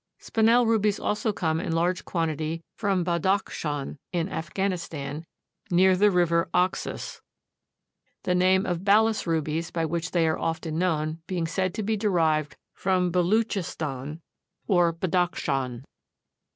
Spinel rubies also come in large quantity from Badakschan, in Afghanistan, near the river Oxus, the name of Balas rubies, by which they are often known, being said to be derived from Beloochistan, or Balakschan.